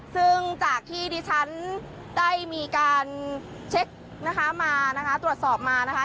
ซึ่งจากที่ดิฉันได้มีการเช็คนะคะมานะคะตรวจสอบมานะคะ